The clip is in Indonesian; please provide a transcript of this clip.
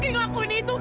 iya dia bareng